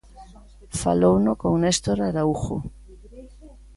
Falouno con Néstor Araújo.